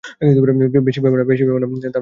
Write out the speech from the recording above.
বেশি ভেবো না।